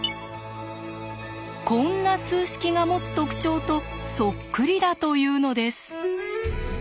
こんな数式が持つ特徴とそっくりだというのです。